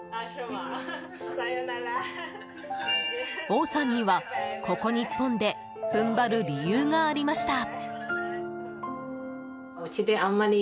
オウさんには、ここ日本で踏ん張る理由がありました。